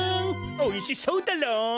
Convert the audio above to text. おいしそうダロ？